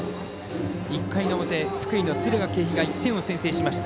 １回の表福井の敦賀気比が１点を先制しました。